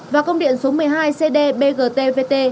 và công điện số một mươi hai cdbgtvt